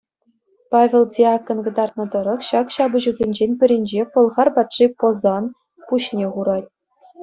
Павел Диакон кӑтартнӑ тӑрӑх ҫак ҫапӑҫусенчен пӗринче пӑлхар патши Пӑсан пуҫне хурать.